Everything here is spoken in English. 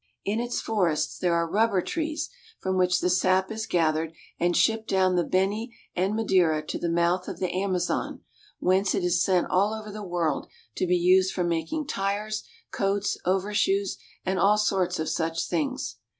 In its forests there 92 BOLIVIA. are rubber trees, from, which the sap Is gathered and shipped down the Beni and Madeira to the mouth of the Amazon, whence it is sent all over the world to be used for making tires, coats, overshoes, and all sorts of such things.